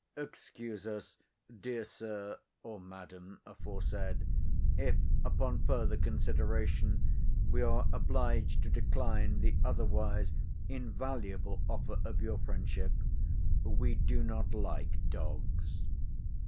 "Excuse us, dear sir—or madam aforesaid—if upon further consideration we are obliged to decline the otherwise invaluable offer of your friendship. We do not like dogs."